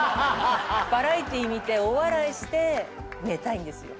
バラエティー見て大笑いして寝たいんですよ。